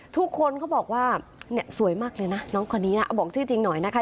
ทุกคนเขาบอกว่าเนี่ยสวยมากเลยนะน้องคนนี้นะเอาบอกชื่อจริงหน่อยนะคะ